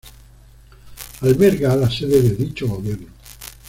Alberga la sede de dicho gobierno.